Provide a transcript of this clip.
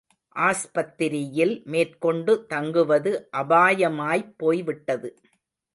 ஆஸ்பத்திரியில் மேற்கொண்டு தங்குவது அபாயமாய்ப் போய்விட்டது.